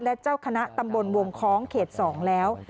และเจ้าคณะตำบลวงคล้องเขต๒แล้ว